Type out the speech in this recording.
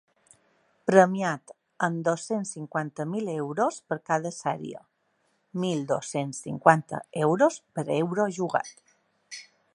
Premiat amb dos-cents cinquanta mil euros per cada sèrie, mil dos-cents cinquanta euros per euro jugat.